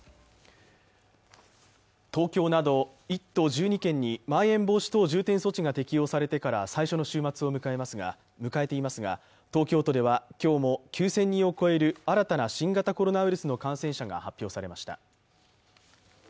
東京など１都１２県にまん延防止等重点措置が適用されてから最初の週末を迎えていますが、東京都では今日も９０００人を超える新たな新型コロナウイルスの感染者が発表されました。